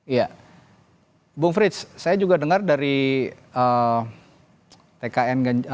ya bung frits saya juga dengar dari tkn prabowo gibran ini juga tetap akan ada yang disiapkan bukti bukti menghasilkan